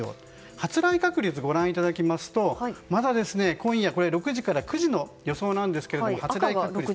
発雷確率をご覧いただきますと今夜６時から９時の予想ですが。